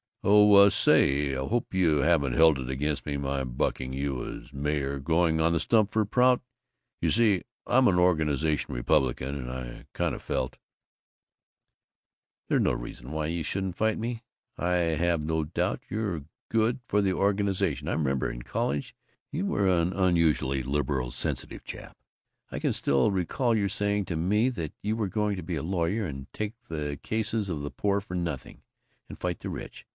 Oh, say, hope you haven't held it against me, my bucking you as mayor, going on the stump for Prout. You see, I'm an organization Republican, and I kind of felt " "There's no reason why you shouldn't fight me. I have no doubt you're good for the Organization. I remember in college you were an unusually liberal, sensitive chap. I can still recall your saying to me that you were going to be a lawyer, and take the cases of the poor for nothing, and fight the rich.